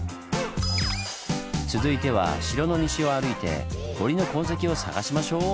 続いては城の西を歩いて堀の痕跡を探しましょう！